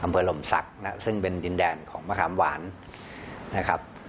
อำเภอลมศักดิ์นะซึ่งเป็นดินแดนของมะคามหวานนะครับ